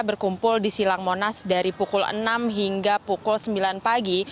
berkumpul di silang monas dari pukul enam hingga pukul sembilan pagi